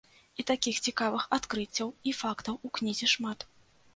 І такіх цікавых адкрыццяў і фактаў у кнізе шмат.